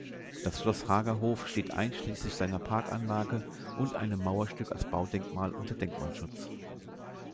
Das Schloss Hagerhof steht einschließlich seiner Parkanlage und einem Mauerstück als Baudenkmal unter Denkmalschutz.